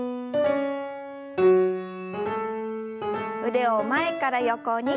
腕を前から横に。